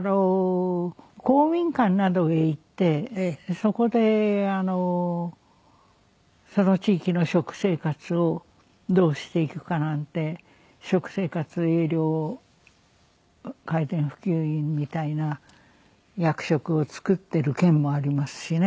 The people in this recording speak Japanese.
公民館などへ行ってそこでその地域の食生活をどうしていくかなんて食生活栄養改善普及委員みたいな役職を作ってる県もありますしね。